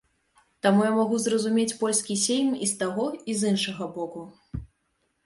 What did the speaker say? Таму я магу зразумець польскі сейм і з таго, і з іншага боку.